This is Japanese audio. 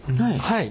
はい！